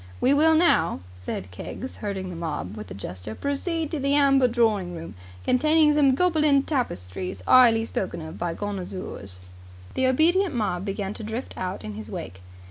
"We will now," said Keggs, herding the mob with a gesture, "proceed to the Amber Drawing Room, containing some Gobelin Tapestries 'ighly spoken of by connoozers." The obedient mob began to drift out in his wake.